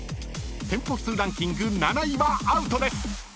［店舗数ランキング７位はアウトです］